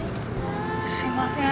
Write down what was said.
すいません。